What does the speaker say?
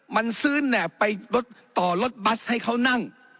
มันซื้อแหนบไปรถต่อรถบัสให้เขานั่ง